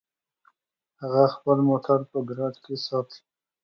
هغه خپل موټر په ګراج کې ساتي